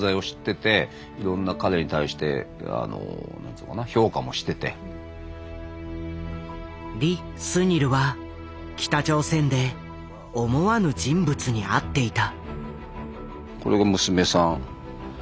そのころにリ・スニルは北朝鮮で思わぬ人物に会っていた。